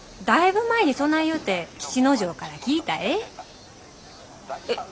だいぶ前にそない言うて吉之丞から聞いたえ。